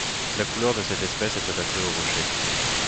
La couleur de cette espèce est adaptée aux rochers.